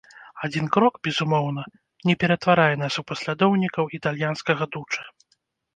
Адзін крок, безумоўна, не ператварае нас у паслядоўнікаў італьянскага дучэ.